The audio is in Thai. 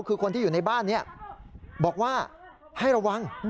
คือคนที่อยู่ในบ้านนี้บอกว่าให้ระวัง